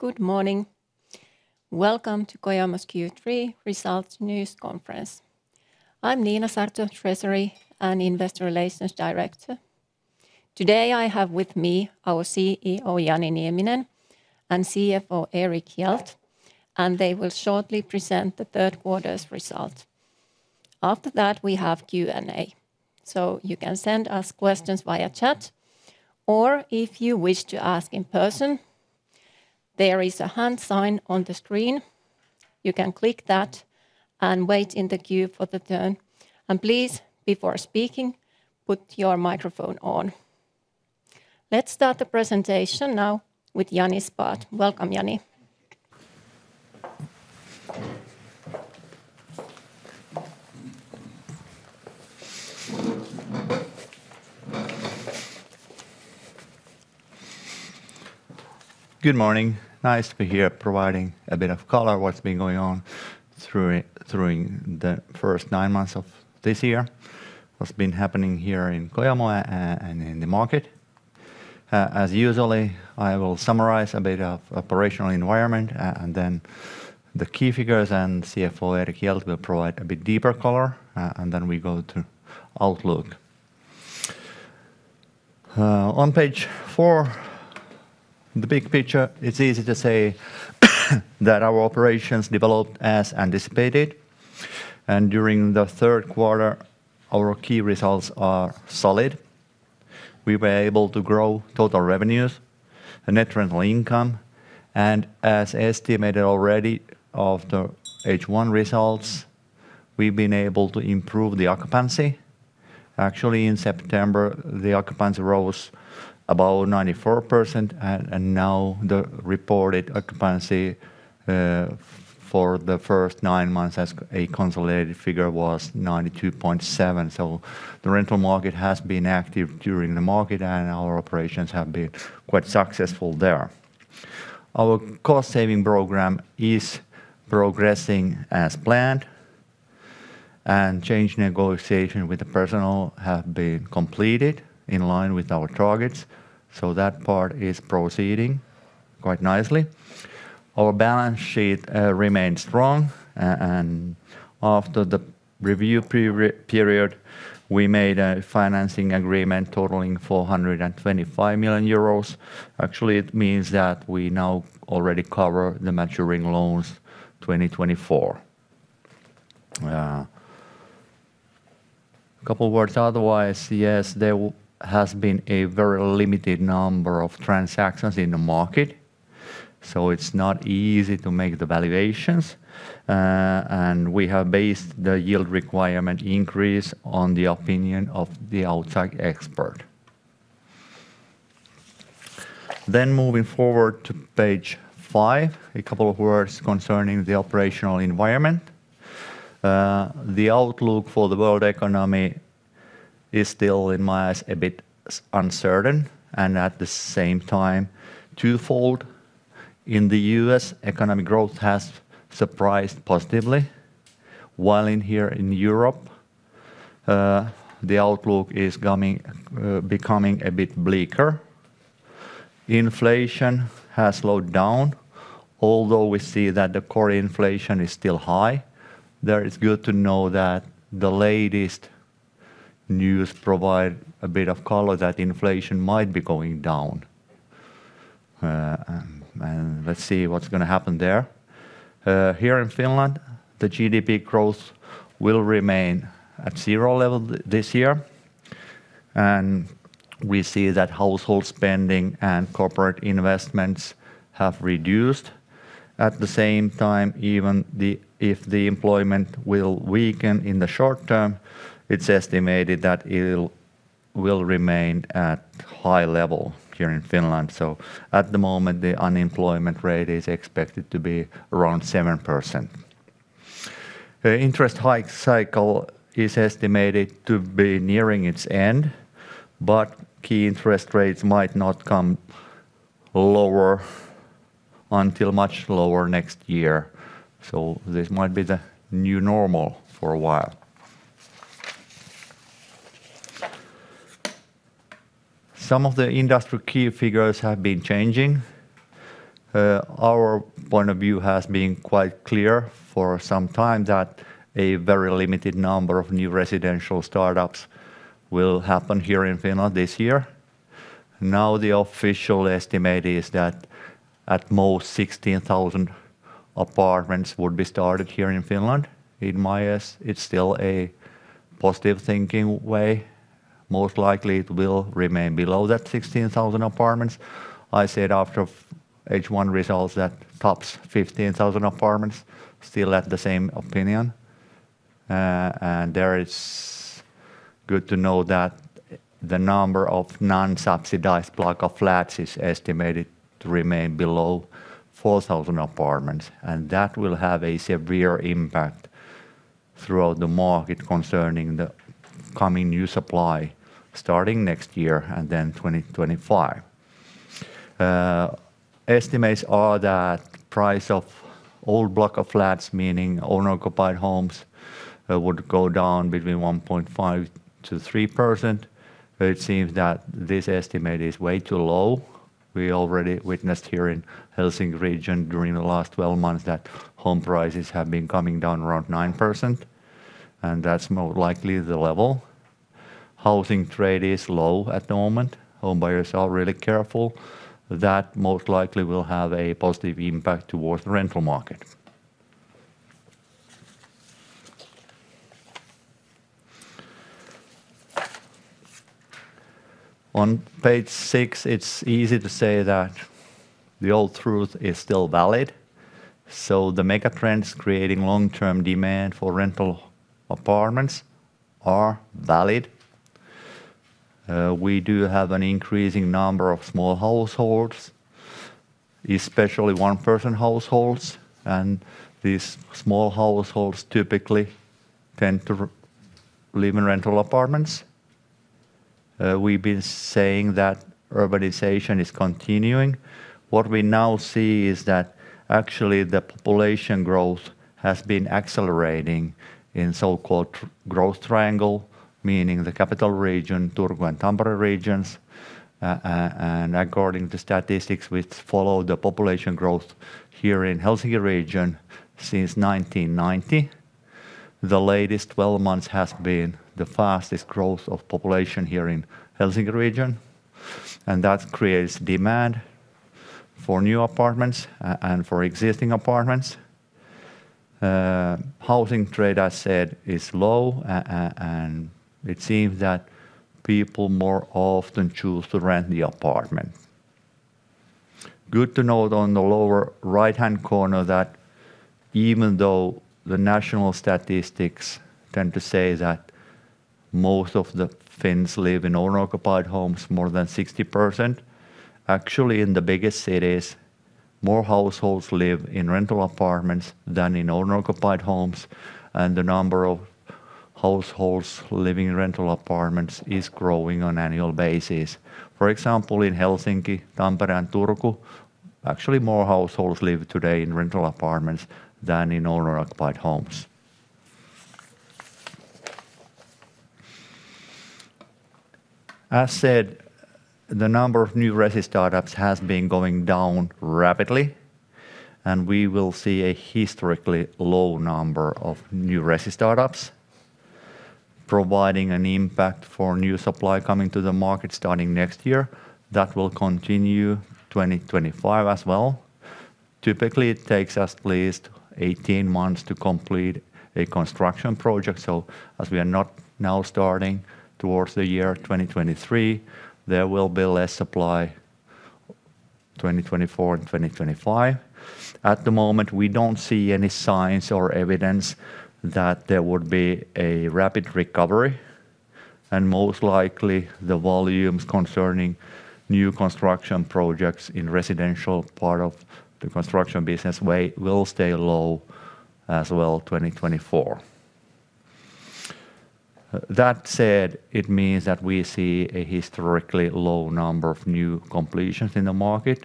Good morning. Welcome to Kojamo's Q3 Results News Conference. I'm Niina Saarto, Treasury and Investor Relations Director. Today, I have with me our CEO, Jani Nieminen, and CFO, Erik Hjelt, and they will shortly present the third quarter's result. After that, we have Q&A, so you can send us questions via chat, or if you wish to ask in person, there is a hand sign on the screen. You can click that and wait in the queue for the turn. And please, before speaking, put your microphone on. Let's start the presentation now with Jani's part. Welcome, Jani. Good morning. Nice to be here providing a bit of color, what's been going on during the first nine months of this year, what's been happening here in Kojamo, and in the market. As usual, I will summarize a bit of operational environment, and then the key figures, and CFO Erik Hjelt will provide a bit deeper color, and then we go to outlook. On Page 4, the big picture, it's easy to say that our operations developed as anticipated, and during the third quarter, our key results are solid. We were able to grow total revenues and net rental income, and as estimated already of the H1 results, we've been able to improve the occupancy. Actually, in September, the occupancy rose above 94%, and now the reported occupancy for the first nine months as a consolidated figure was 92.7%. So the rental market has been active during the market, and our operations have been quite successful there. Our cost-saving program is progressing as planned, and change negotiation with the personnel have been completed in line with our targets, so that part is proceeding quite nicely. Our balance sheet remains strong, and after the review period, we made a financing agreement totaling 425 million euros. Actually, it means that we now already cover the maturing loans 2024. Couple words otherwise, yes, there has been a very limited number of transactions in the market, so it's not easy to make the valuations, and we have based the yield requirement increase on the opinion of the outside expert. Then moving forward to Page 5, a couple of words concerning the operational environment. The outlook for the world economy is still, in my eyes, a bit uncertain, and at the same time, twofold. In the US, economic growth has surprised positively, while in here in Europe, the outlook is coming, becoming a bit bleaker. Inflation has slowed down, although we see that the core inflation is still high. There, it's good to know that the latest news provide a bit of color that inflation might be going down. And let's see what's gonna happen there. Here in Finland, the GDP growth will remain at zero level this year, and we see that household spending and corporate investments have reduced. At the same time, if the employment will weaken in the short term, it's estimated that it'll remain at high level here in Finland. So at the moment, the unemployment rate is expected to be around 7%. The interest hike cycle is estimated to be nearing its end, but key interest rates might not come lower until much lower next year, so this might be the new normal for a while. Some of the industrial key figures have been changing. Our point of view has been quite clear for some time that a very limited number of new residential startups will happen here in Finland this year. Now, the official estimate is that at most 16,000 apartments would be started here in Finland. In my eyes, it's still a positive-thinking way. Most likely, it will remain below that 16,000 apartments. I said after H1 results, that tops 15,000 apartments, still at the same opinion, and there it's good to know that the number of non-subsidized block of flats is estimated to remain below 4,000 apartments, and that will have a severe impact throughout the market concerning the coming new supply starting next year and then 2025. Estimates are that price of old block of flats, meaning owner-occupied homes, would go down between 1.5%-3%. But it seems that this estimate is way too low. We already witnessed here in the Helsinki region during the last 12 months, that home prices have been coming down around 9%, and that's most likely the level. Housing trade is low at the moment. Home buyers are really careful. That most likely will have a positive impact towards the rental market. On Page 6, it's easy to say that the old truth is still valid. So the mega trends creating long-term demand for rental apartments are valid. We do have an increasing number of small households, especially one-person households, and these small households typically tend to live in rental apartments. We've been saying that urbanization is continuing. What we now see is that actually, the population growth has been accelerating in so-called growth triangle, meaning the capital region, Turku and Tampere regions. And according to statistics, which follow the population growth here in Helsinki region since 1990, the latest 12 months has been the fastest growth of population here in Helsinki region, and that creates demand for new apartments and for existing apartments. Housing trade, I said, is low, and it seems that people more often choose to rent the apartment. Good to note on the lower right-hand corner that even though the national statistics tend to say that most of the Finns live in owner-occupied homes, more than 60%, actually, in the biggest cities, more households live in rental apartments than in owner-occupied homes, and the number of households living in rental apartments is growing on annual basis. For example, in Helsinki, Tampere, and Turku, actually, more households live today in rental apartments than in owner-occupied homes. As said, the number of new resi startups has been going down rapidly, and we will see a historically low number of new resi startups, providing an impact for new supply coming to the market starting next year. That will continue 2025 as well. Typically, it takes at least 18 months to complete a construction project. So as we are not now starting towards the year 2023, there will be less supply 2024 and 2025. At the moment, we don't see any signs or evidence that there would be a rapid recovery, and most likely, the volumes concerning new construction projects in residential part of the construction business way will stay low as well, 2024. That said, it means that we see a historically low number of new completions in the market.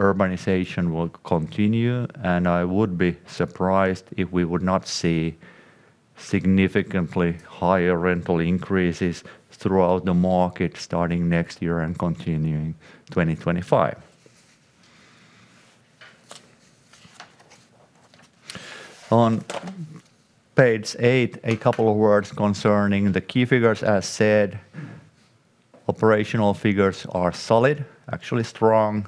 Urbanization will continue, and I would be surprised if we would not see significantly higher rental increases throughout the market, starting next year and continuing 2025. On Page 8, a couple of words concerning the key figures. As said, operational figures are solid, actually strong.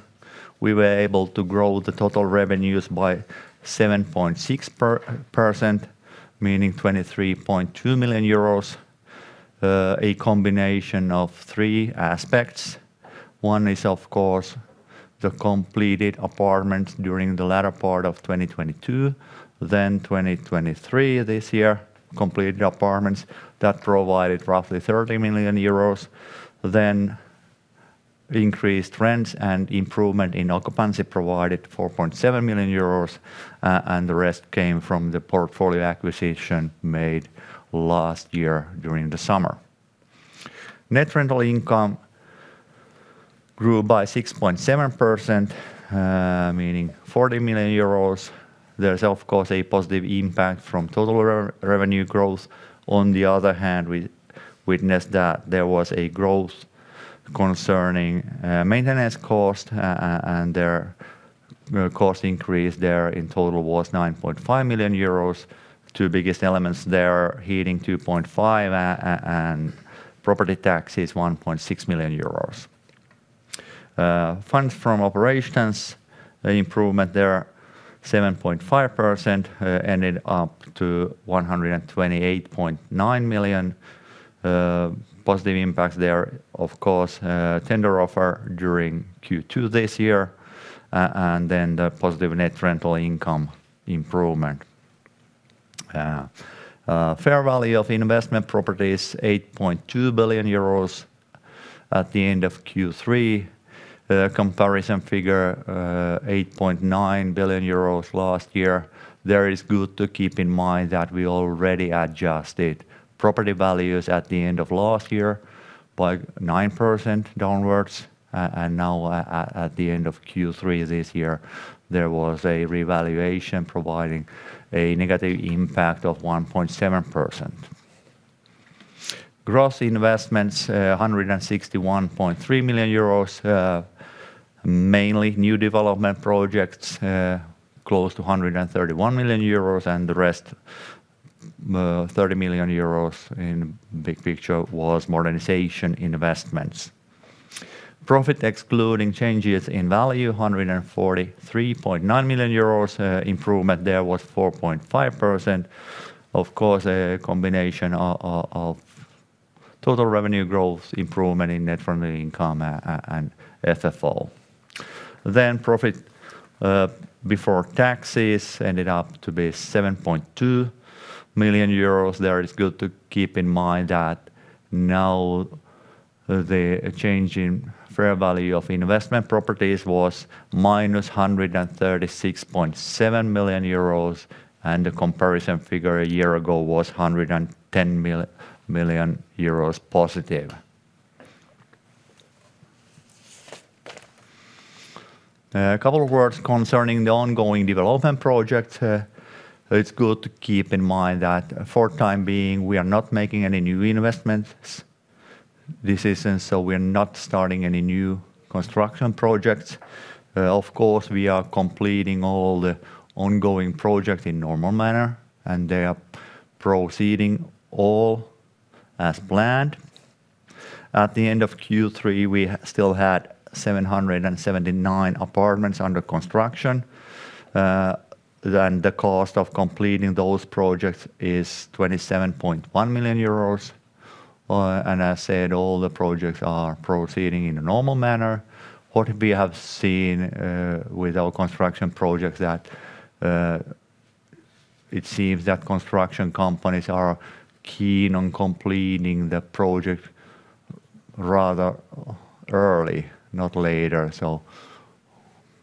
We were able to grow the total revenues by 7.6%, meaning 23.2 million euros. A combination of three aspects. One is, of course, the completed apartments during the latter part of 2022, then 2023, this year, completed apartments that provided roughly 30 million euros. Then increased rents and improvement in occupancy provided 4.7 million euros, and the rest came from the portfolio acquisition made last year during the summer. Net rental income grew by 6.7%, meaning 40 million euros. There's, of course, a positive impact from total revenue growth. On the other hand, we witnessed that there was a growth concerning maintenance cost, and their cost increase there in total was 9.5 million euros. Two biggest elements there, heating 2.5 million, and property tax 1.6 million euros. Funds from operations, improvement there, 7.5%, ended up to 128.9 million. Positive impacts there, of course, tender offer during Q2 this year, and then the positive net rental income improvement. Fair value of investment properties, 8.2 billion euros at the end of Q3. The comparison figure, 8.9 billion euros last year. There is good to keep in mind that we already adjusted property values at the end of last year by 9% downwards. And now at the end of Q3 this year, there was a revaluation providing a negative impact of 1.7%. Gross investments, 161.3 million euros. Mainly new development projects, close to 131 million euros, and the rest, 30 million euros in big picture was modernization investments. Profit, excluding changes in value, 143.9 million euros. Improvement there was 4.5%. Of course, a combination of total revenue growth, improvement in net funding income, and FFO. Then profit, before taxes ended up to be 7.2 million euros. It's good to keep in mind that now the change in fair value of investment properties was -136.7 million euros, and the comparison figure a year ago was 110 million euros positive. A couple of words concerning the ongoing development project. It's good to keep in mind that for time being, we are not making any new investments this season, so we're not starting any new construction projects. Of course, we are completing all the ongoing projects in normal manner, and they are proceeding all as planned. At the end of Q3, we still had 779 apartments under construction. Then the cost of completing those projects is 27.1 million euros. And as I said all the projects are proceeding in a normal manner. What we have seen with our construction projects that it seems that construction companies are keen on completing the project rather early, not later.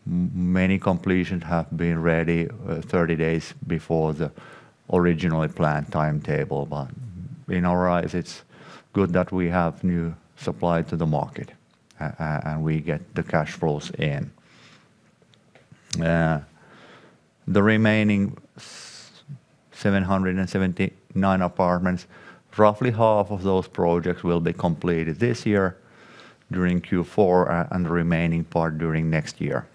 So many completions have been ready 30 days before the originally planned timetable, but in our eyes, it's good that we have new supply to the market, and we get the cash flows in. The remaining 779 apartments, roughly half of those projects will be completed this year during Q4, and the remaining part during next year.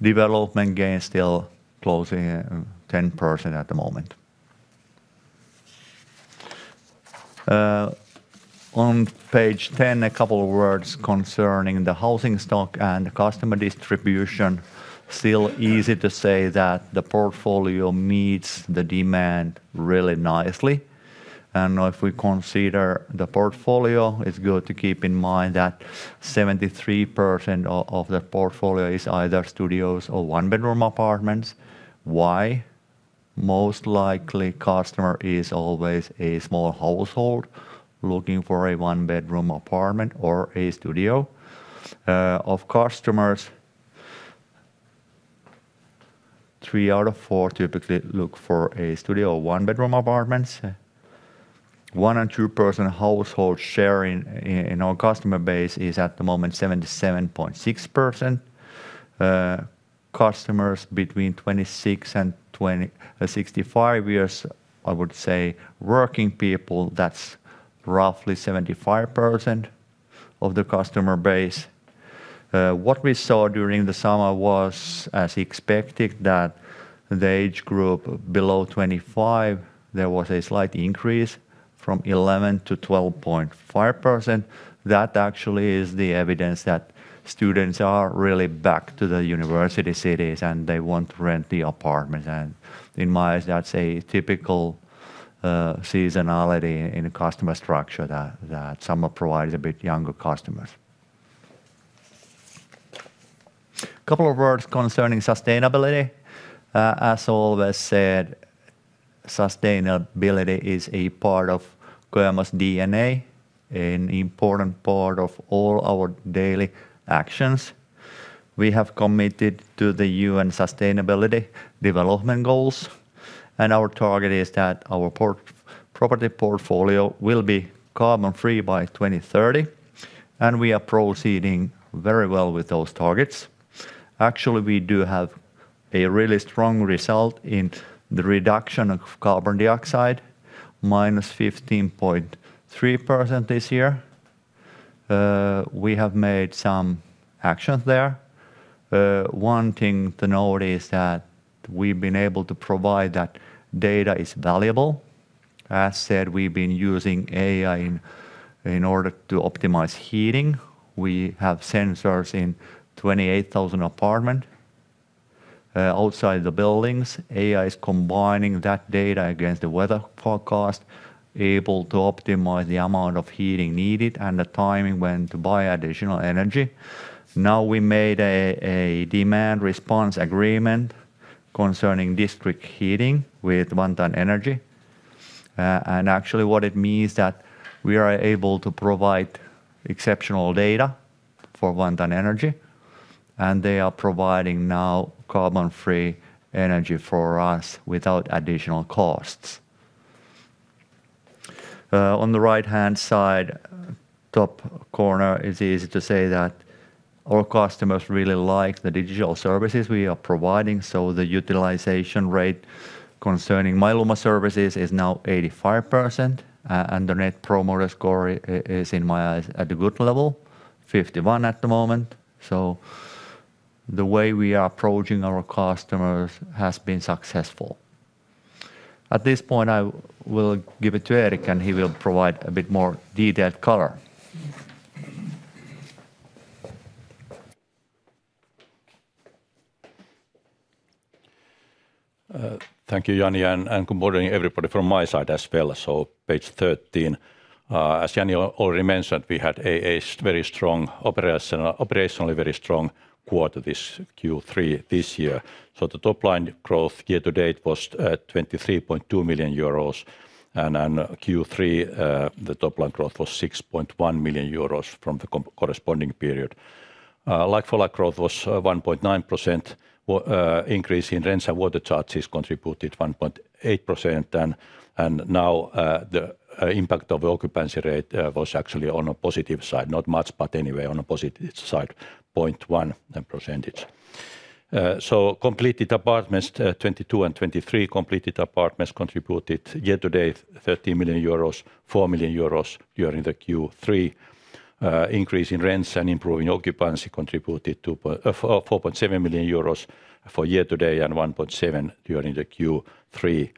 Development gain is still closing 10% at the moment. On Page 10, a couple of words concerning the housing stock and customer distribution. Still easy to say that the portfolio meets the demand really nicely. Now, if we consider the portfolio, it's good to keep in mind that 73% of the portfolio is either studios or one-bedroom apartments. Why? Most likely, customer is always a small household looking for a one-bedroom apartment or a studio. Of customers, three out of four typically look for a studio or one-bedroom apartments. One and two-person household sharing in our customer base is, at the moment, 77.6%. Customers between 26 and 65 years, I would say, working people, that's roughly 75% of the customer base. What we saw during the summer was, as expected, that the age group below 25, there was a slight increase from 11%-12.5%. That actually is the evidence that students are really back to the university cities, and they want to rent the apartment, and in my eyes, that's a typical seasonality in a customer structure that summer provides a bit younger customers. Couple of words concerning sustainability. As always said, sustainability is a part of Kojamo's DNA, an important part of all our daily actions. We have committed to the UN Sustainable Development Goals, and our target is that our property portfolio will be carbon-free by 2030, and we are proceeding very well with those targets. Actually, we do have a really strong result in the reduction of carbon dioxide, -15.3% this year. We have made some actions there. One thing to note is that we've been able to provide that data is valuable. As said, we've been using AI in order to optimize heating. We have sensors in 28,000 apartments. Outside the buildings, AI is combining that data against the weather forecast, able to optimize the amount of heating needed and the timing when to buy additional energy. Now, we made a demand response agreement concerning district heating with Vantaa Energy, and actually what it means that we are able to provide exceptional data for Vantaa Energy, and they are providing now carbon-free energy for us without additional costs. On the right-hand side, top corner, it's easy to say that our customers really like the digital services we are providing, so the utilization rate concerning My Lumo services is now 85%, and the Net Promoter Score is, in my eyes, at a good level, 51 at the moment. The way we are approaching our customers has been successful. At this point, I will give it to Erik, and he will provide a bit more detailed color. Thank you, Jani, and good morning, everybody, from my side as well. So Page 13, as Jani already mentioned, we had a very strong operational, operationally very strong quarter this Q3 this year. So the top-line growth year to date was 23.2 million euros, and then Q3, the top-line growth was 6.1 million euros from the corresponding period. Like-for-like growth was 1.9%. The increase in rents and water charges contributed 1.8%, and now the impact of occupancy rate was actually on a positive side, not much, but anyway, on a positive side, 0.1%. So completed apartments, 2022 and 2023 completed apartments contributed year to date, 13 million euros, 4 million euros during the Q3. Increase in rents and improving occupancy contributed 2.47 million euros year to date and 1.7 during the Q3.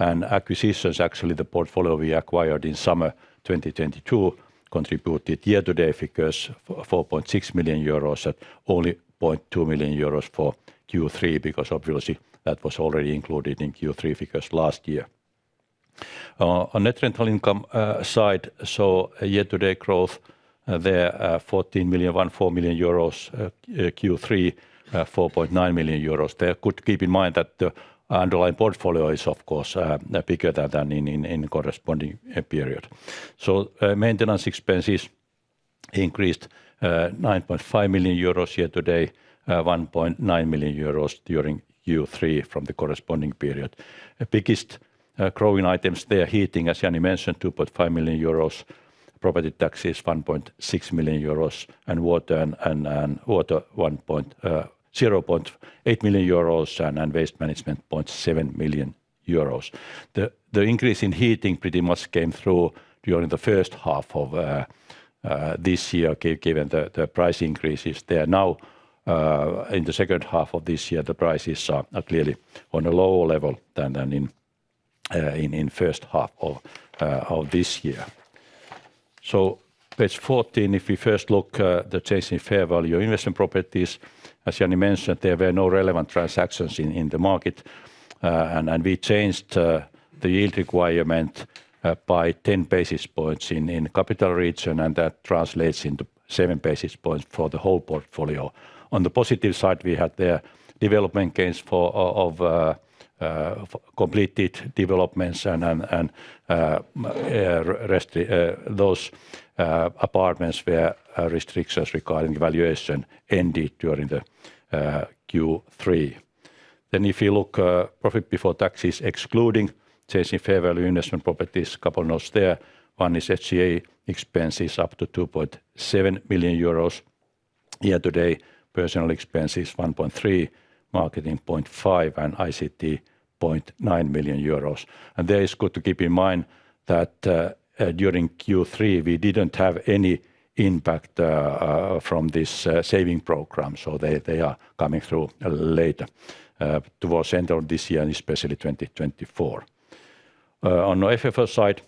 And acquisitions, actually, the portfolio we acquired in summer 2022 contributed year to date figures, 4.6 million euros at only 0.2 million euros for Q3, because obviously, that was already included in Q3 figures last year. On net rental income side, so a year to date growth there fourteen million, 14 million euros, Q3 four point nine million euros. Good to keep in mind that the underlying portfolio is, of course, bigger than in corresponding period. So, maintenance expenses increased nine point five million euros year to date, one point nine million euros during Q3 from the corresponding period. The biggest growing items there, heating, as Jani mentioned, 2.5 million euros, property taxes, 1.6 million euros, and water, 0.8 million euros, and waste management, 0.7 million euros. The increase in heating pretty much came through during the first half of this year, given the price increases. They are now in the second half of this year, the prices are clearly on a lower level than in the first half of this year. So Page 14, if we first look, the change in fair value investment properties, as Jani mentioned, there were no relevant transactions in the market, and we changed the yield requirement by 10 basis points in the Capital Region, and that translates into 7 basis points for the whole portfolio. On the positive side, we had the development gains for of completed developments and those apartments where restrictions regarding valuation ended during the Q3. Then if you look, profit before taxes, excluding change in fair value investment properties, a couple notes there. One is SG&A expenses up to 2.7 million euros year to date, personal expenses, 1.3, marketing, 0.5, and ICT, 0.9 million euros. There, it's good to keep in mind that, during Q3, we didn't have any impact from this saving program, so they are coming through a little later towards the end of this year and especially 2024. On FFO side,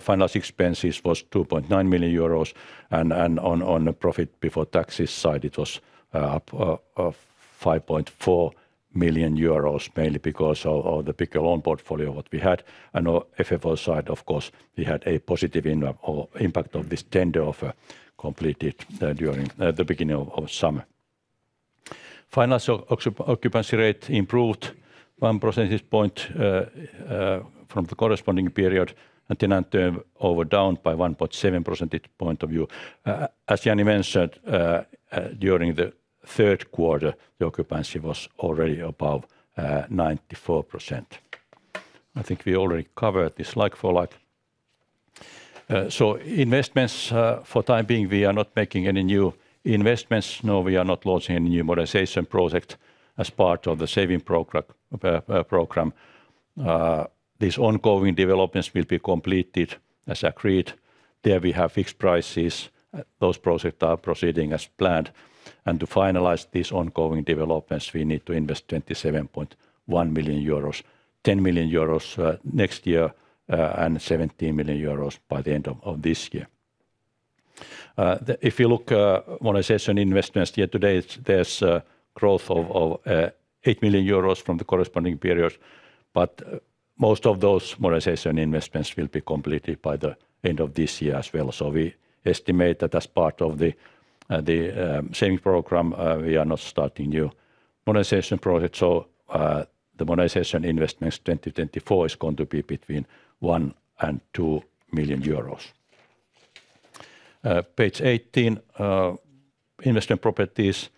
finance expenses was 2.9 million euros, and on a profit before taxes side, it was 5.4 million euros, mainly because of the bigger loan portfolio what we had. And on FFO side, of course, we had a positive impact of this tender offer completed during the beginning of summer. Financial occupancy rate improved 1 percentage point from the corresponding period, and tenant turnover down by 1.7 percentage point of view. As Jani mentioned, during the third quarter, the occupancy was already above 94%. I think we already covered this, like-for-like. So investments, for the time being, we are not making any new investments, nor we are not launching any modernization project as part of the saving program. These ongoing developments will be completed as agreed. There, we have fixed prices. Those projects are proceeding as planned, and to finalize these ongoing developments, we need to invest 27.1 million euros, 10 million euros next year, and 17 million euros by the end of this year. If you look, modernization investments year to date, there's a growth of 8 million euros from the corresponding period, but most of those modernization investments will be completed by the end of this year as well. So we estimate that as part of the saving program, we are not starting modernization project. So, the modernization investments 2024 is going to be between 1 million and 2 million euros. Page 18, investment properties.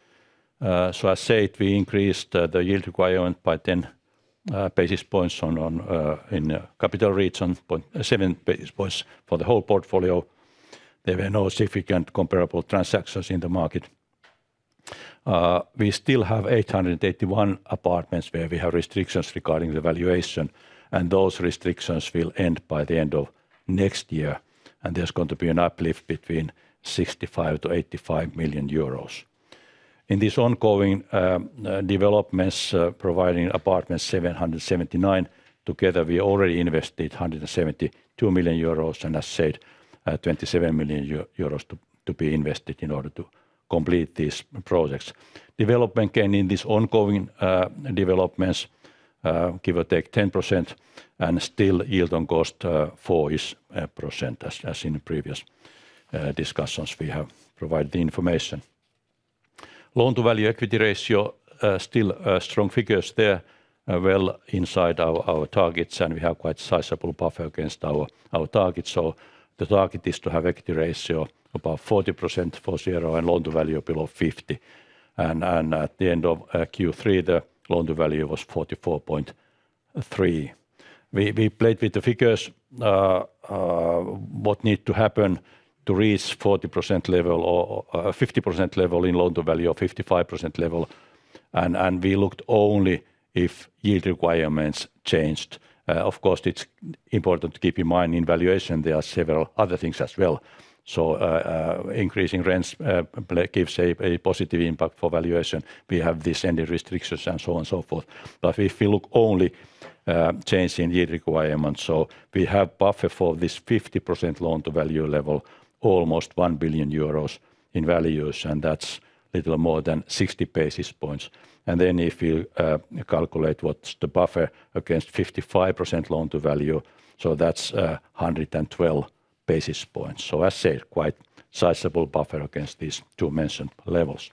So as said, we increased the yield requirement by 10 basis points in capital region, but 7 basis points for the whole portfolio. There were no significant comparable transactions in the market. We still have 881 apartments where we have restrictions regarding the valuation, and those restrictions will end by the end of next year, and there's going to be an uplift between 65 million-85 million euros. In these ongoing developments, providing apartments 779, together we already invested 172 million euros, and as said, 27 million euros to be invested in order to complete these projects. Development gain in these ongoing developments, give or take 10%, and still yield on cost 4-ish%. As in the previous discussions, we have provided the information. Loan-to-value equity ratio still strong figures there, well inside our targets, and we have quite sizable buffer against our targets. So the target is to have equity ratio about 40% for Sierra and loan-to-value below 50%. And at the end of Q3, the loan-to-value was 44.3%. We played with the figures, what need to happen to reach 40% level or 50% level in loan-to-value, or 55% level, and we looked only if yield requirements changed. Of course, it's important to keep in mind in valuation, there are several other things as well. Increasing rents gives a positive impact for valuation. We have this ended restrictions, and so on and so forth. If you look only at change in yield requirements, we have buffer for this 50% loan-to-value level, almost 1 billion euros in values, and that's little more than 60 basis points. If you calculate what's the buffer against 55% loan-to-value, that's 112 basis points. As said, quite sizable buffer against these two mentioned levels.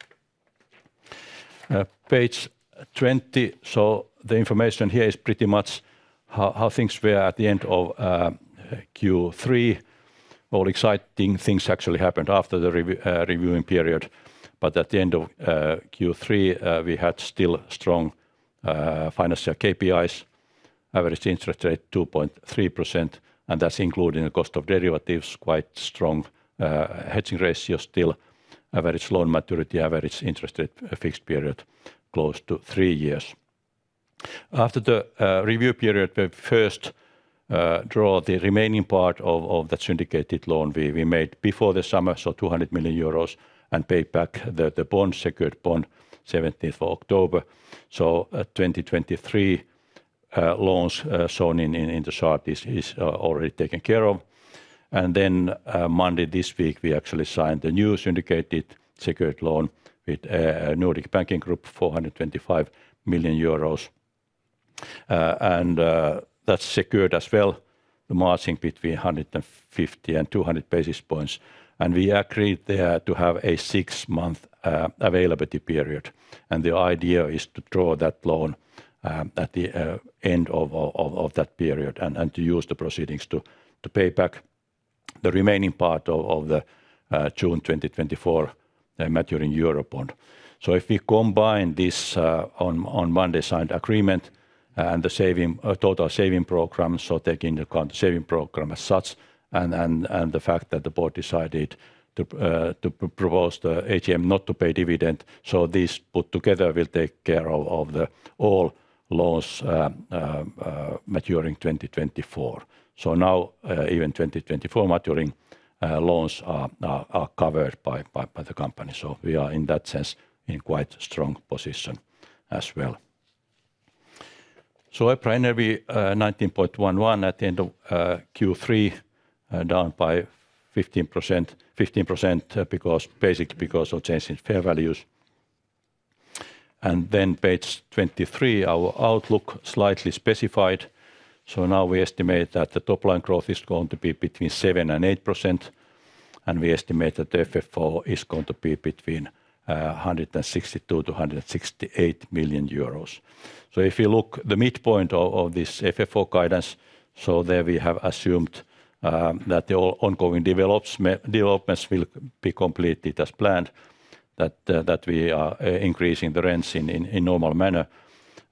Page 20, so the information here is pretty much how things were at the end of Q3. All exciting things actually happened after the reviewing period, but at the end of Q3, we had still strong financial KPIs. Average interest rate 2.3%, and that's including the cost of derivatives, quite strong hedging ratio, still average loan maturity, average interest rate fixed period close to three years. After the review period, we first draw the remaining part of the syndicated loan we made before the summer, so 200 million euros, and paid back the bond, secured bond, seventeenth October. So, 2023 loans shown in the chart is already taken care of. Then, Monday, this week, we actually signed the new syndicated secured loan with Nordic banking group, 425 million euros, and that's secured as well, the margin between 150 and 200 basis points. We agreed there to have a six-month availability period, and the idea is to draw that loan at the end of that period, and to use the proceeds to pay back the remaining part of the June 2024 maturing euro bond. So if we combine this, on Monday signed agreement and the saving total saving program, so taking into account the saving program as such, and the fact that the board decided to propose the AGM not to pay dividend, so this put together will take care of the all loans maturing in 2024. So now, even 2024 maturing loans are covered by the company. So we are, in that sense, in quite strong position as well. So EPRA NRV 19.11 at the end of Q3, down by 15%. 15%, because basically because of change in fair values. And then Page 23, our outlook slightly specified. So now we estimate that the top line growth is going to be between 7%-8%, and we estimate that the FFO is going to be between 162-168 million euros. So if you look the midpoint of this FFO guidance, so there we have assumed that the ongoing developments will be completed as planned, that we are increasing the rents in normal manner,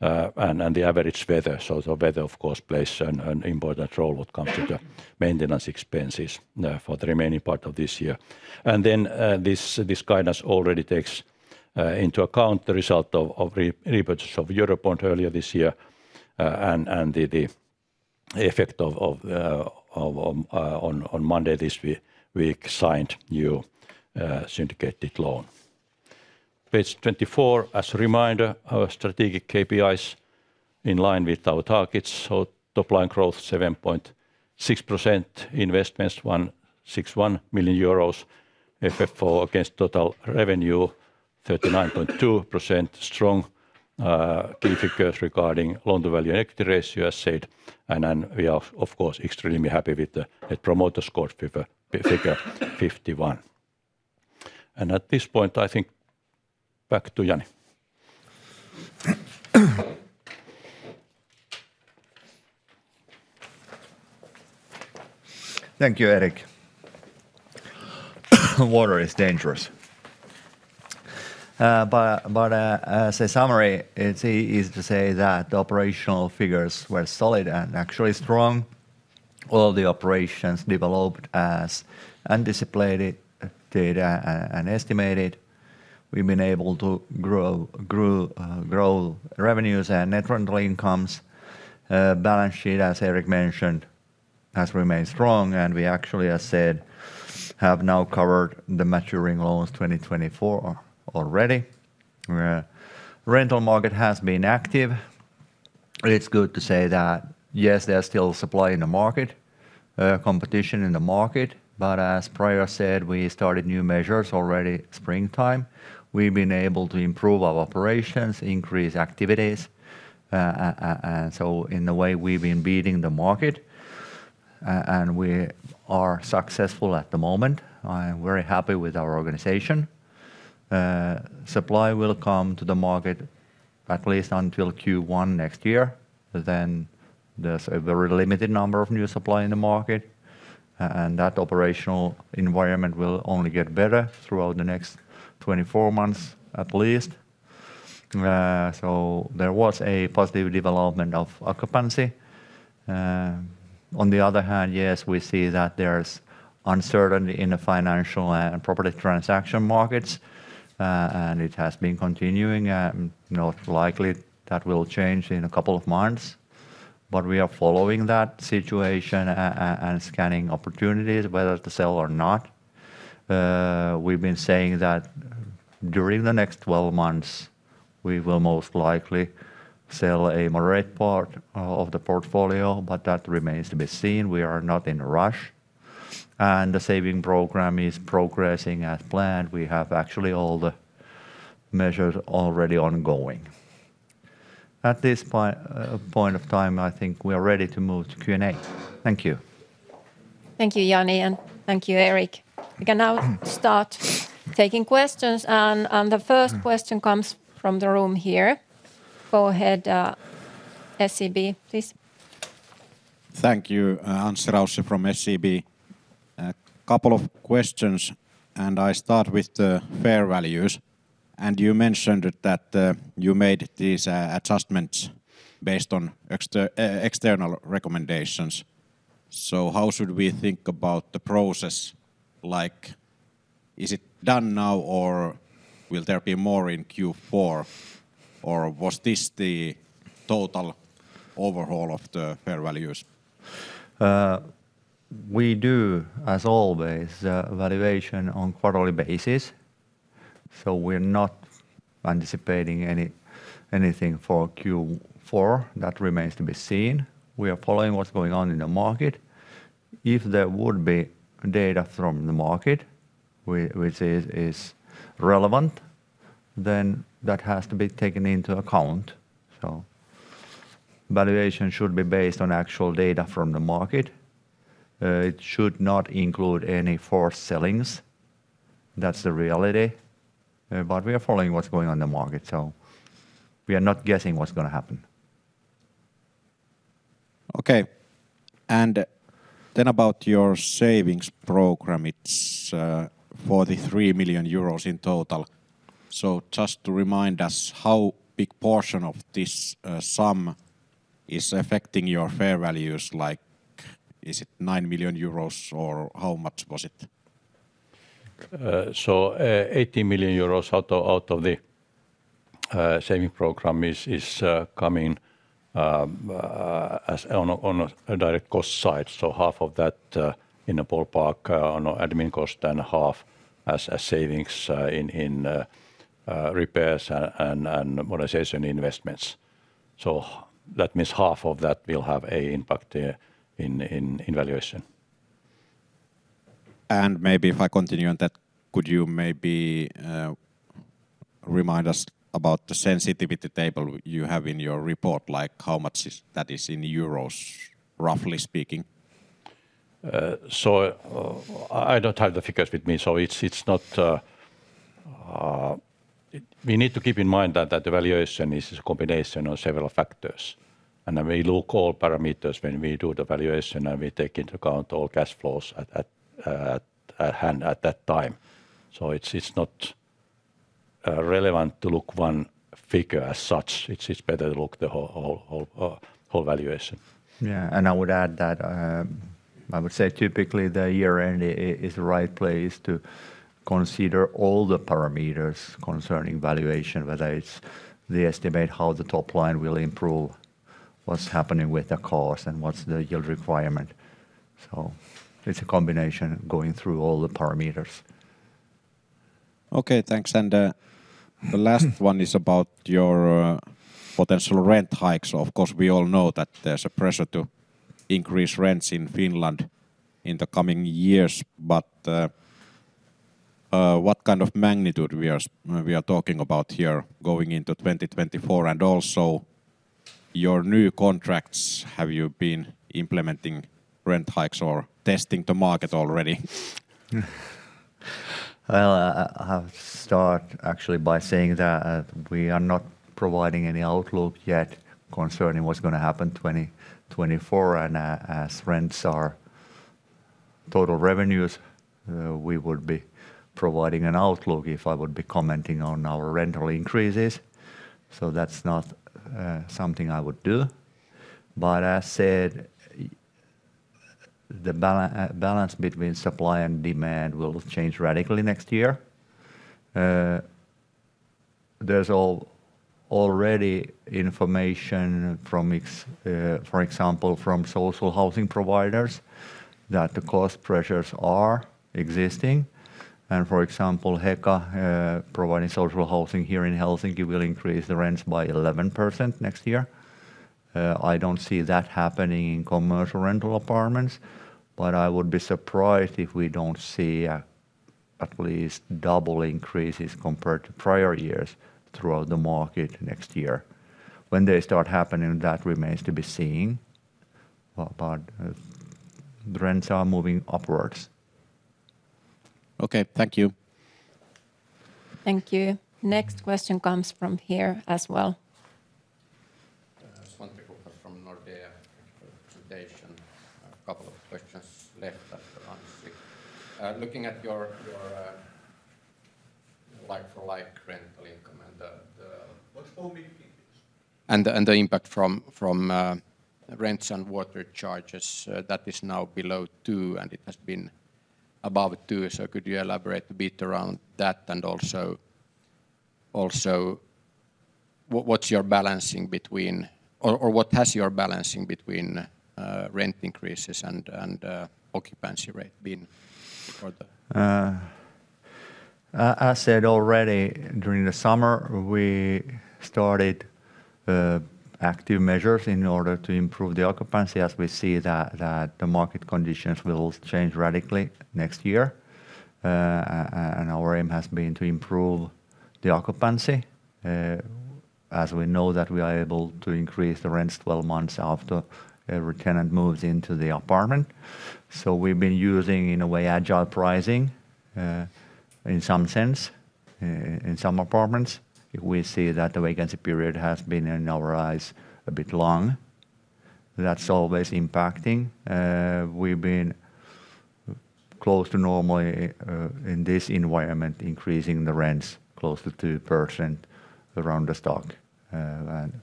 and the average weather. So the weather, of course, plays an important role when it comes to the maintenance expenses for the remaining part of this year. And then, this guidance already takes into account the result of repurchase of euro bond earlier this year, and the effect of... On Monday, this week, we signed new syndicated loan. Page 24, as a reminder, our strategic KPIs in line with our targets. So top line growth, 7.6%, investments, 161 million euros, FFO against total revenue, 39.2%. Strong key figures regarding loan-to-value and equity ratio, as said, and then we are, of course, extremely happy with the Net Promoter Score figure 51... And at this point, I think back to Jani. Thank you, Erik. Water is dangerous. But, as a summary, it's easy to say that the operational figures were solid and actually strong. All the operations developed as anticipated data and estimated. We've been able to grow revenues and net rental incomes. Balance sheet, as Erik mentioned, has remained strong, and we actually, as said, have now covered the maturing loans 2024 already. Rental market has been active. It's good to say that, yes, there's still supply in the market, competition in the market, but as prior said, we started new measures already springtime. We've been able to improve our operations, increase activities, and so in a way, we've been beating the market, and we are successful at the moment. I'm very happy with our organization. Supply will come to the market at least until Q1 next year, but then there's a very limited number of new supply in the market, and that operational environment will only get better throughout the next 24 months at least. So there was a positive development of occupancy. On the other hand, yes, we see that there's uncertainty in the financial and property transaction markets, and it has been continuing, and not likely that will change in a couple of months. But we are following that situation and scanning opportunities, whether to sell or not. We've been saying that during the next 12 months, we will most likely sell a moderate part of the portfolio, but that remains to be seen. We are not in a rush, and the saving program is progressing as planned. We have actually all the measures already ongoing. At this point of time, I think we are ready to move to Q&A. Thank you. Thank you, Jani, and thank you, Erik. We can now start taking questions, and the first question- Mm-hmm.... comes from the room here. Go ahead, SEB, please. Thank you. Anssi Raussi from SEB. A couple of questions, and I start with the fair values. And you mentioned that you made these adjustments based on external recommendations. So how should we think about the process? Like, is it done now, or will there be more in Q4, or was this the total overhaul of the fair values? We do, as always, valuation on quarterly basis, so we're not anticipating anything for Q4. That remains to be seen. We are following what's going on in the market. If there would be data from the market, which is, is relevant, then that has to be taken into account. So valuation should be based on actual data from the market. It should not include any forced sellings. That's the reality. But we are following what's going on in the market, so we are not guessing what's gonna happen. Okay. And then about your savings program, it's 43 million euros in total. So just to remind us, how big portion of this sum is affecting your fair values? Like, is it 9 million euros, or how much was it? So, 80 million euros out of the saving program is coming as on a direct cost side. So half of that, in a ballpark, on admin cost, and half as a savings in repairs and modernization investments. So that means half of that will have an impact in valuation. Maybe if I continue on that, could you maybe remind us about the sensitivity table you have in your report? Like, how much is... that is in euros, roughly speaking? So, I don't have the figures with me, so it's not... We need to keep in mind that the valuation is a combination of several factors, and then we look all parameters when we do the valuation, and we take into account all cash flows at hand at that time. So it's not relevant to look one figure as such. It's better to look the whole valuation. Yeah, and I would add that, I would say typically, the year-end is the right place to consider all the parameters concerning valuation, whether it's the estimate, how the top line will improve, what's happening with the cost, and what's the yield requirement. So it's a combination going through all the parameters. Okay, thanks. And the last one is about your potential rent hikes. Of course, we all know that there's a pressure to increase rents in Finland in the coming years, but what kind of magnitude we are talking about here going into 2024? And also, your new contracts, have you been implementing rent hikes or testing the market already? Well, I'll start actually by saying that we are not providing any outlook yet concerning what's gonna happen 2024. And as rents are total revenues, we would be providing an outlook if I would be commenting on our rental increases. So that's not something I would do. But I said the balance between supply and demand will change radically next year. There's already information from for example, from social housing providers, that the cost pressures are existing. And for example, Heka providing social housing here in Helsinki, will increase the rents by 11% next year. I don't see that happening in commercial rental apartments, but I would be surprised if we don't see at least double increases compared to prior years throughout the market next year. When they start happening, that remains to be seen. But, the rents are moving upwards. Okay, thank you. Thank you. Next question comes from here as well. Svante Krokfors from Nordea. Thank you for the presentation. A couple of questions left after I'm sick. Looking at your like-for-like rental income and the... What's holding and the impact from rents and water charges that is now below two, and it has been above two. So could you elaborate a bit around that? And also, what's your balancing between... Or what has your balancing between rent increases and occupancy rate been for the- I said already, during the summer, we started active measures in order to improve the occupancy, as we see that the market conditions will change radically next year. And our aim has been to improve the occupancy, as we know that we are able to increase the rents 12 months after every tenant moves into the apartment. So we've been using, in a way, agile pricing, in some sense, in some apartments. We see that the vacancy period has been, in our eyes, a bit long. That's always impacting. We've been close to normally, in this environment, increasing the rents close to 2% around the stock. And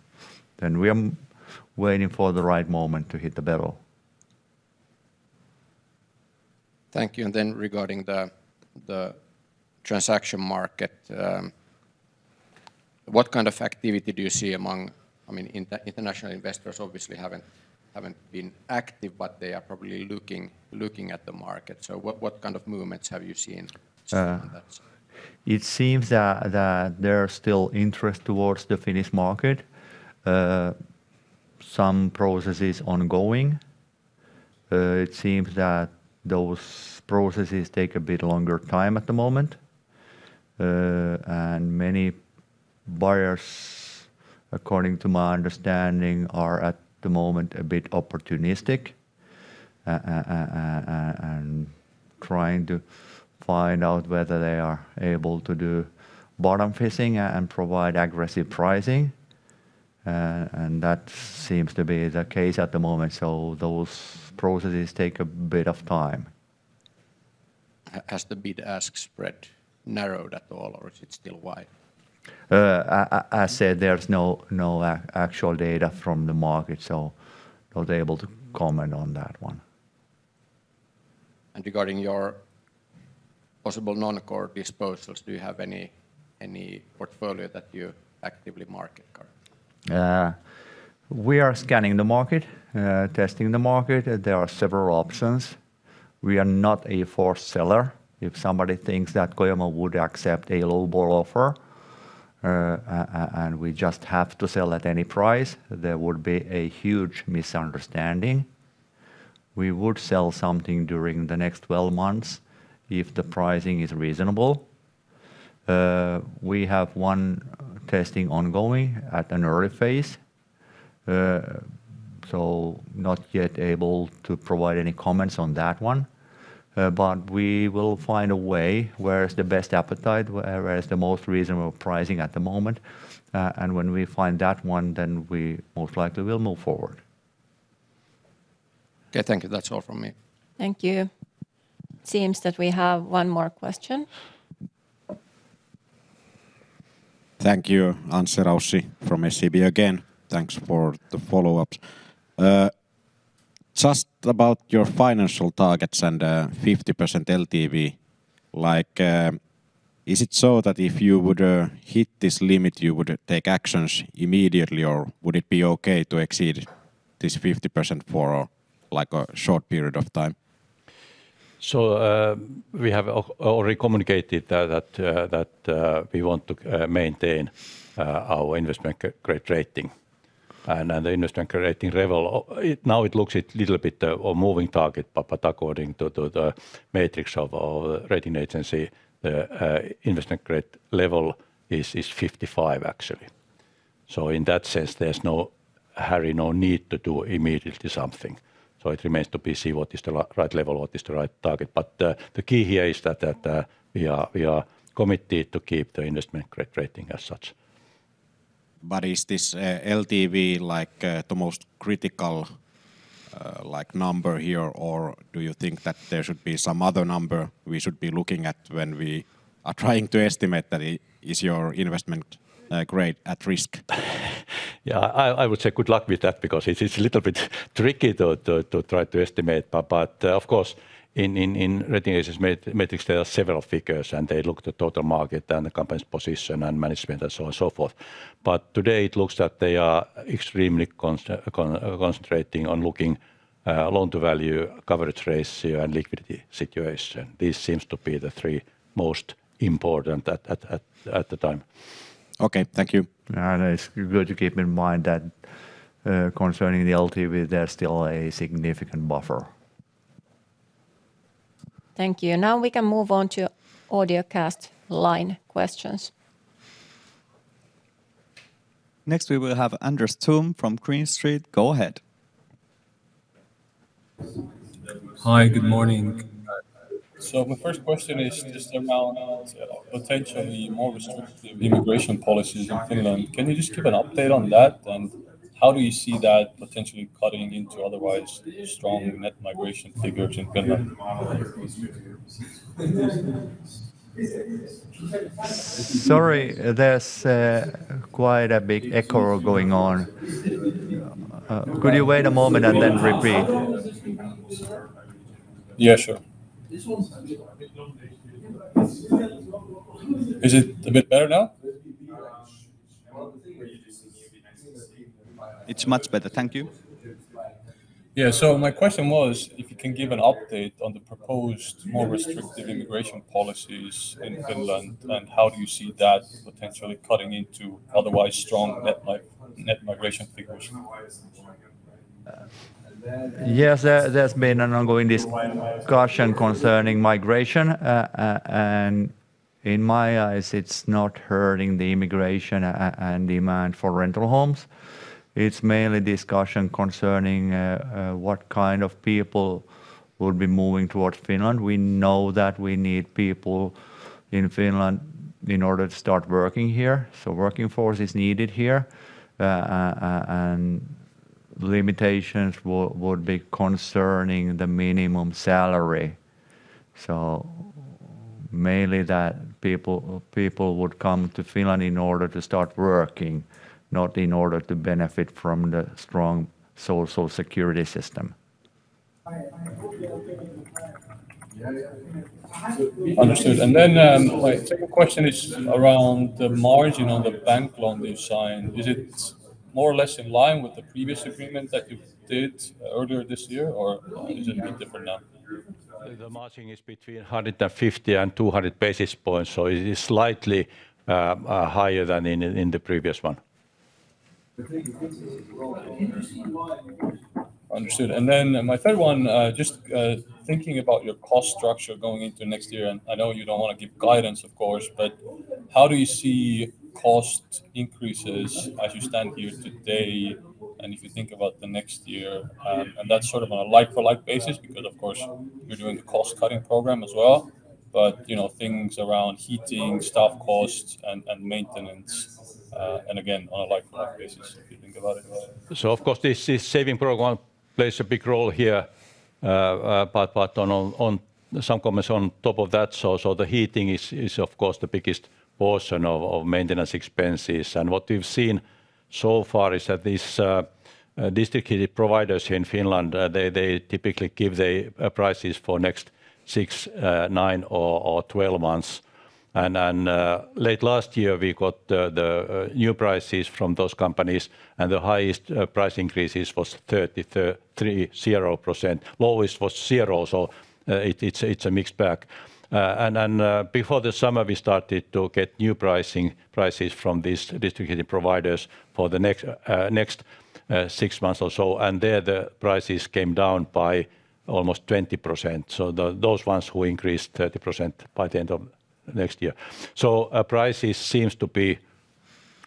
then we are waiting for the right moment to hit the barrel. Thank you. And then regarding the transaction market, what kind of activity do you see among... I mean, international investors obviously haven't been active, but they are probably looking at the market. So what kind of movements have you seen? Uh- on that side? It seems that there are still interest towards the Finnish market. Some processes ongoing. It seems that those processes take a bit longer time at the moment. And many buyers, according to my understanding, are, at the moment, a bit opportunistic, and trying to find out whether they are able to do bottom fishing and provide aggressive pricing. And that seems to be the case at the moment, so those processes take a bit of time. Has the bid-ask spread narrowed at all, or is it still wide? I said there's no actual data from the market, so not able to comment on that one. Regarding your possible non-core disposals, do you have any, any portfolio that you actively market currently? We are scanning the market, testing the market. There are several options. We are not a forced seller. If somebody thinks that Kojamo would accept a lowball offer, and we just have to sell at any price, there would be a huge misunderstanding. We would sell something during the next twelve months if the pricing is reasonable. We have one testing ongoing at an early phase, so not yet able to provide any comments on that one. But we will find a way where is the best appetite, where is the most reasonable pricing at the moment. And when we find that one, then we most likely will move forward. Okay, thank you. That's all from me. Thank you. Seems that we have one more question. Thank you. Anssi Raussi from SEB again. Thanks for the follow-ups. Just about your financial targets and, 50% LTV, like, is it so that if you would, hit this limit, you would take actions immediately, or would it be okay to exceed this 50% for, like, a short period of time? So, we have already communicated that we want to maintain our Investment Grade rating. And the Investment Grade level, it now looks a little bit like a moving target, but according to the matrix of our rating agency, the Investment Grade level is 55, actually. So in that sense, there's no hurry, no need to do immediately something. So it remains to be seen what is the right level, what is the right target. But the key here is that we are committed to keep the Investment Grade rating as such. But is this LTV, like, the most critical, like, number here? Or do you think that there should be some other number we should be looking at when we are trying to estimate that is your Investment Grade at risk? Yeah, I would say good luck with that because it is a little bit tricky to try to estimate. But of course, in rating agencies metrics, there are several figures, and they look the total market and the company's position and management and so on, so forth. But today, it looks that they are extremely concentrating on looking loan-to-value coverage ratio and liquidity situation. This seems to be the three most important at the time. Okay. Thank you. It's good to keep in mind that, concerning the LTV, there's still a significant buffer. Thank you. Now we can move on to audio cast line questions. Next, we will have Andres Toome from Green Street. Go ahead. Hi, good morning. So my first question is, just around, potentially more restrictive immigration policies in Finland. Can you just give an update on that, and how do you see that potentially cutting into otherwise strong net migration figures in Finland? Sorry, there's quite a big echo going on. Could you wait a moment and then repeat? Yeah, sure. Is it a bit better now? It's much better. Thank you. Yeah. So my question was, if you can give an update on the proposed more restrictive immigration policies in Finland, and how do you see that potentially cutting into otherwise strong net migration figures? Yes, there, there's been an ongoing discussion concerning migration. And in my eyes, it's not hurting the immigration and demand for rental homes. It's mainly discussion concerning what kind of people would be moving towards Finland. We know that we need people in Finland in order to start working here, so working force is needed here. And limitations would be concerning the minimum salary. So mainly that people would come to Finland in order to start working, not in order to benefit from the strong social security system. Understood. And then, my second question is around the margin on the bank loan you've signed. Is it more or less in line with the previous agreement that you did earlier this year, or is it a bit different now? The margin is between 150 and 200 basis points, so it is slightly higher than in the previous one. Understood. And then my third one, just thinking about your cost structure going into next year, and I know you don't wanna give guidance, of course, but how do you see cost increases as you stand here today, and if you think about the next year? And that's sort of on a like-for-like basis because, of course, you're doing the cost-cutting program as well. But, you know, things around heating, staff costs, and maintenance, and again, on a like-for-like basis, if you think about it. So of course, this saving program plays a big role here. But on some comments on top of that, so the heating is, of course, the biggest portion of maintenance expenses. And what we've seen so far is that these district providers here in Finland, they typically give the prices for next six, nine, or 12 months. And late last year, we got the new prices from those companies, and the highest price increases was 30%. Lowest was 0%, so it’s a mixed bag. And before the summer, we started to get new prices from these district providers for the next six months or so, and there, the prices came down by almost 20%. So those ones who increased 30% by the end of next year. So, prices seems to be.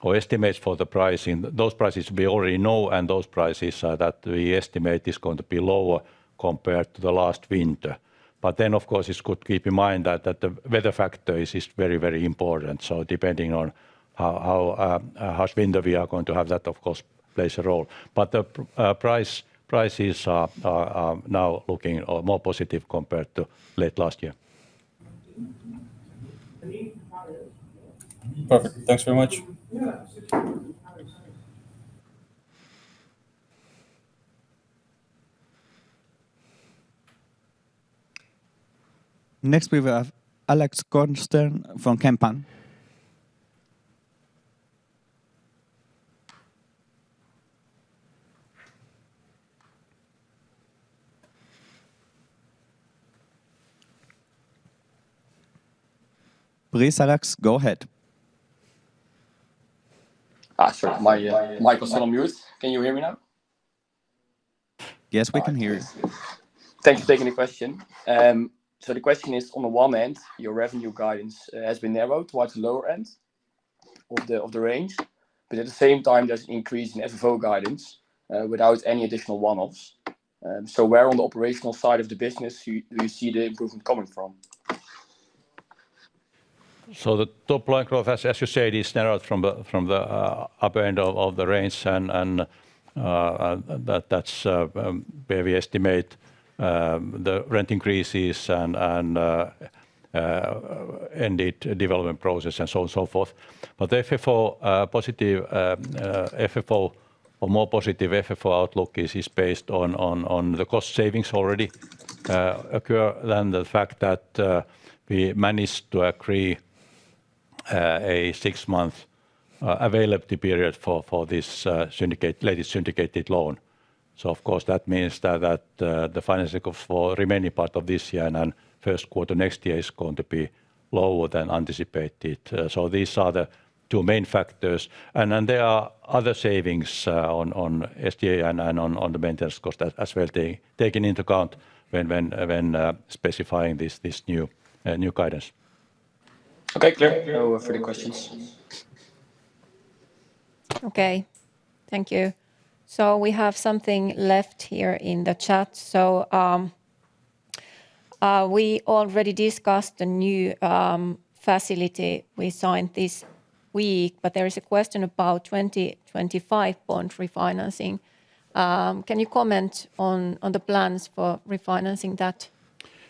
Or estimates for the pricing, those prices we already know, and those prices that we estimate is going to be lower compared to the last winter. But then, of course, it's good to keep in mind that the weather factor is very, very important. So depending on how harsh winter we are going to have, that, of course, plays a role. But the prices are now looking more positive compared to late last year. Perfect. Thanks very much. Next, we have Alex Kolsteren from Kempen. Please, Alex, go ahead. Ah, sure. My microphone on mute. Can you hear me now? Yes, we can hear you. Thanks for taking the question. So the question is, on the one end, your revenue guidance has been narrowed towards the lower end of the range. But at the same time, there's an increase in FFO guidance without any additional one-offs. And so where on the operational side of the business do you see the improvement coming from? So the top line growth, as you said, is narrowed from the upper end of the range, and that's where we estimate the rent increases and end it development process, and so on, so forth. But the FFO positive FFO or more positive FFO outlook is based on the cost savings already occur then the fact that we managed to agree a six-month availability period for this syndicate-latest syndicated loan. So of course, that means that the financial for remaining part of this year and then first quarter next year is going to be lower than anticipated. So these are the two main factors. And then there are other savings on SG&A and on the maintenance cost as well, taking into account when specifying this new guidance. Okay, clear. No further questions. Okay. Thank you. So we have something left here in the chat. So, we already discussed the new facility we signed this week, but there is a question about 2025 bond refinancing. Can you comment on, on the plans for refinancing that,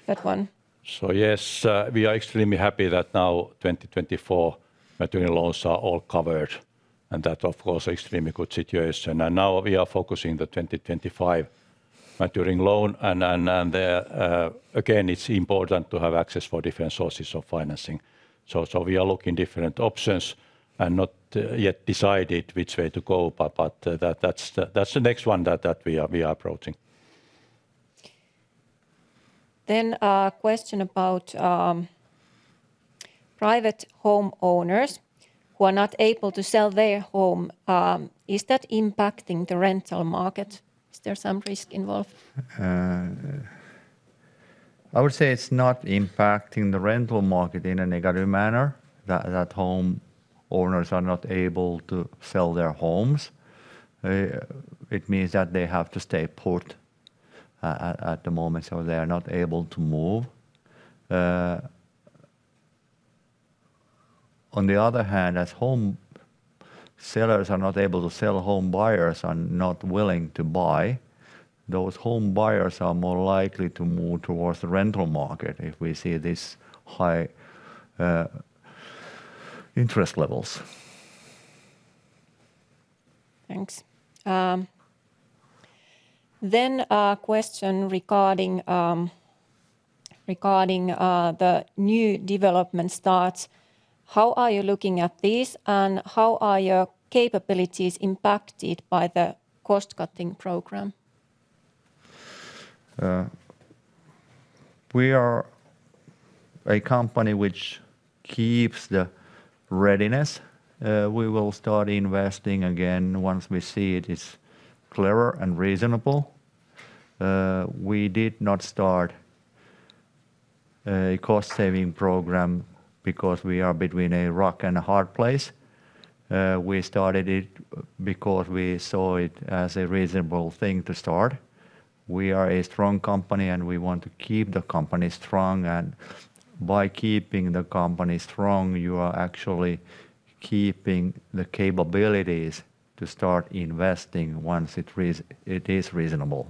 that one? So yes, we are extremely happy that now 2024 maturing loans are all covered, and that, of course, extremely good situation. And now we are focusing the 2025 maturing loan, and then again, it's important to have access for different sources of financing. So we are looking different options, and not yet decided which way to go, but that's the next one that we are approaching. Then, a question about private home owners who are not able to sell their home. Is that impacting the rental market? Is there some risk involved? I would say it's not impacting the rental market in a negative manner, that home owners are not able to sell their homes. It means that they have to stay put at the moment, so they are not able to move. On the other hand, as home sellers are not able to sell, home buyers are not willing to buy. Those home buyers are more likely to move towards the rental market if we see this high interest levels. Thanks. A question regarding the new development starts. How are you looking at this, and how are your capabilities impacted by the cost-cutting program? We are a company which keeps the readiness. We will start investing again once we see it is clearer and reasonable. We did not start a cost-saving program because we are between a rock and a hard place. We started it because we saw it as a reasonable thing to start. We are a strong company, and we want to keep the company strong. And by keeping the company strong, you are actually keeping the capabilities to start investing once it is reasonable.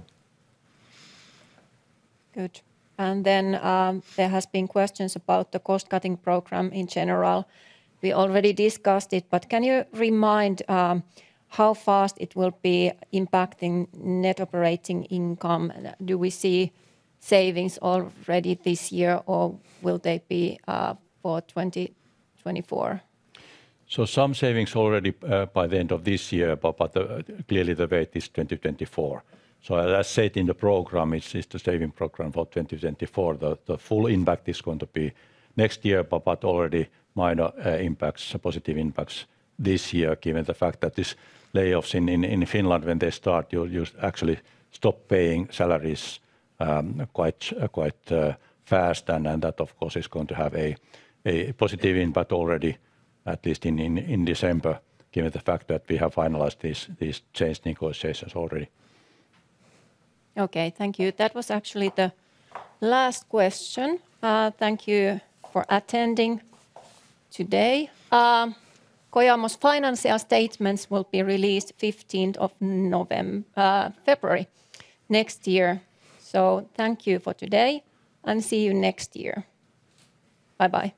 Good. And then, there has been questions about the cost-cutting program in general. We already discussed it, but can you remind how fast it will be impacting net operating income? Do we see savings already this year, or will they be for 2024? So some savings already by the end of this year, but clearly, the weight is 2024. So as I said in the program, it's the saving program for 2024. The full impact is going to be next year, but already minor, positive impacts this year, given the fact that these layoffs in Finland, when they start, you actually stop paying salaries quite fast. And that, of course, is going to have a positive impact already, at least in December, given the fact that we have finalized these change negotiations already. Okay, thank you. That was actually the last question. Thank you for attending today. Kojamo's financial statements will be released fifteenth of February next year. So thank you for today, and see you next year. Bye-bye.